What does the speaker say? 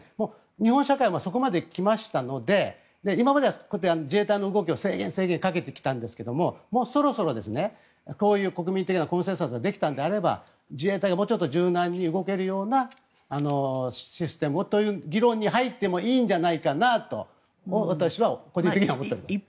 日本社会もそこまで来ましたので今までは自衛隊の動きを制限かけてきたんですがそろそろこういう国民的なコンセンサスができたんであれば、自衛隊がもうちょっと柔軟に動けるようなシステムをという議論に入ってもいいんじゃないかなと私は個人的には思っています。